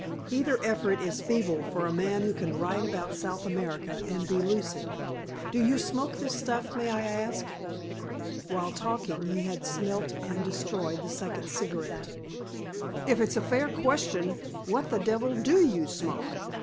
"Either effort is feeble for a man who can write about South America, and be lucid. Do you smoke this stuff, may I ask?" While talking, he had smelt and destroyed the second cigarette. "If it's a fair question, what the devil do you smoke?"